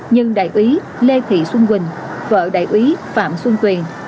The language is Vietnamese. nhưng đại úy lê thị xuân quỳnh vợ đại úy phạm xuân tuyền